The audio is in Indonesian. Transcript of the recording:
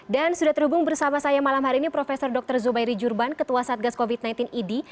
dan sudah terhubung bersama saya malam hari ini prof dr zubairi jurban ketua satgas covid sembilan belas id